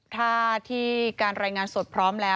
ถ้าที่การรายงานสดพร้อมแล้ว